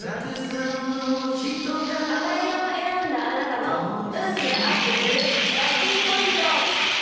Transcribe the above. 赤色を選んだあなたの運気がアップするラッキーポイント！